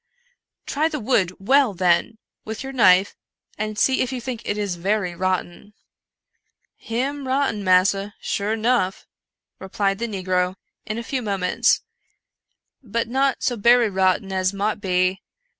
" Try the wood well, then, with your knife, and see if you think it very rotten." " Him rotten, massa, sure nuff," replied the negro in a few moments, " but not so berry rotten as mought be.